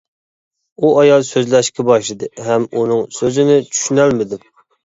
ئۇ ئايال سۆزلەشكە باشلىدى ھەم ئۇنىڭ سۆزىنى چۈشىنەلمىدىم.